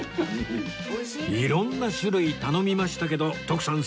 色んな種類頼みましたけど徳さん